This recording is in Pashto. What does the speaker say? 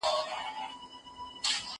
بیا یې نوی سپین کفن ورڅخه وړی